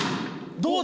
どうだ？